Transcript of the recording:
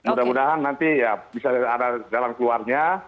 mudah mudahan nanti ya bisa ada jalan keluarnya